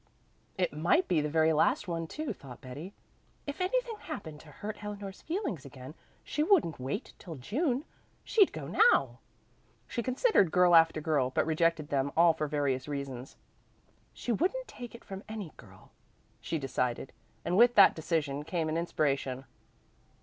It might be the very last one too, thought Betty. "If anything happened to hurt Eleanor's feelings again, she wouldn't wait till June. She'd go now." She considered girl after girl, but rejected them all for various reasons. "She wouldn't take it from any girl," she decided, and with that decision came an inspiration.